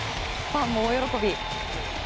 ファンも大喜び。